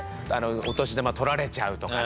お年玉とられちゃうとかね。